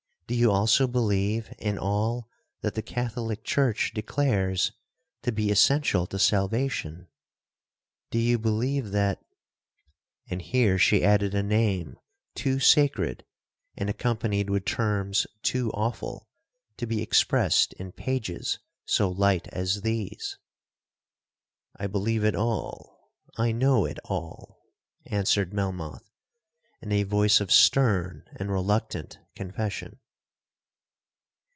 Do you also believe in all that the Catholic church declares to be essential to salvation? Do you believe that'—And here she added a name too sacred, and accompanied with terms too awful, to be expressed in pages so light as these.1 'I believe it all—I know it all,' answered Melmoth, in a voice of stern and reluctant confession.